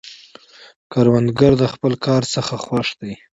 کروندګر د خپل کار څخه خوښ دی